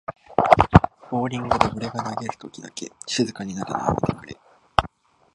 ボーリングで俺が投げるときだけ静かになるのやめてくれ